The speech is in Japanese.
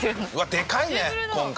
でかいね今回。